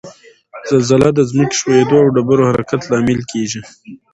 زلزله د ځمک ښویدو او ډبرو حرکت لامل کیږي